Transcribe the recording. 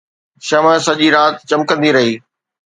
شمع سڄي رات چمڪندي رهي